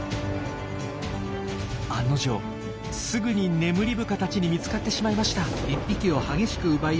案の定すぐにネムリブカたちに見つかってしまいました。